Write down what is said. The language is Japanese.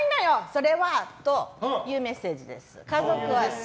それは！というメッセージ。